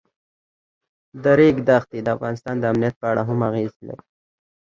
د ریګ دښتې د افغانستان د امنیت په اړه هم اغېز لري.